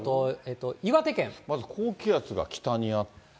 まず高気圧が北にあって。